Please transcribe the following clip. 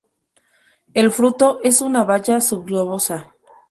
El fruto es una baya subglobosa.